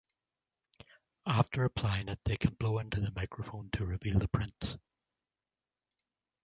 After applying it, they can blow into the microphone to reveal the prints.